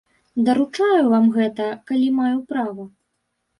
Даручаю вам гэта, калі маю права.